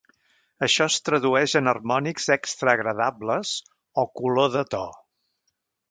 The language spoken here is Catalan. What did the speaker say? Això és tradueix en harmònics extra agradables o "color de to".